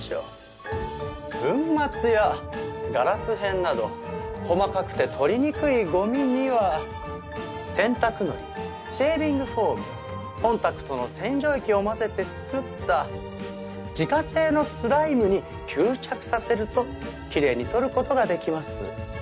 粉末やガラス片など細かくて取りにくいゴミには洗濯のりシェービングフォームコンタクトの洗浄液を混ぜて作った自家製のスライムに吸着させるときれいに取る事ができます。